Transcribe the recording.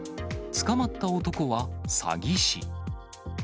捕まった男は詐欺師。